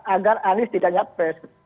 agar anis tidak nyapres